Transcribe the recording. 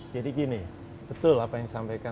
jadi gini betul apa yang sampaikan